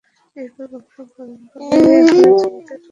এরপর বংশপরামপনায় এখানে জমিদারি চলতে থাকে।